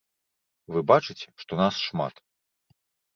Вы бачыце, што нас шмат.